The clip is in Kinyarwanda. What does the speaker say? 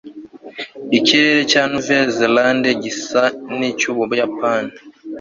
Ikirere cya NouvelleZélande gisa nicyUbuyapani